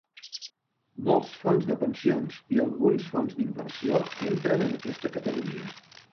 Molts fons de pensions, i alguns fons d'inversió, entren en aquesta categoria.